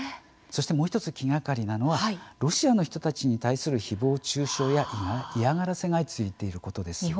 そしてもう１つ、気がかりなのはロシアの人たちに対するひぼう中傷や嫌がらせが相次いでいることです。